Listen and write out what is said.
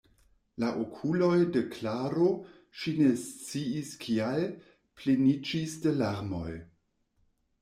La okuloj de Klaro, ŝi ne sciis kial, pleniĝis de larmoj.